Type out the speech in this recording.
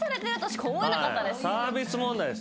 サービス問題です。